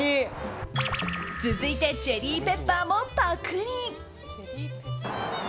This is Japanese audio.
続いて、チェリーペッパーもパクリ。